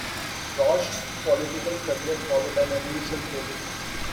Roch's political career followed an unusual course.